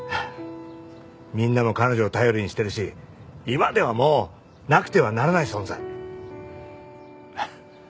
みんなも彼女を頼りにしてるし今ではもうなくてはならない存在。